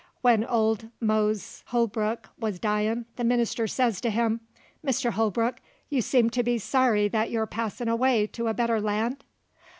When old Mose Holbrook wuz dyin' the minister sez to him: "Mr. Holbrook, you seem to be sorry that you're passin' away to a better land?"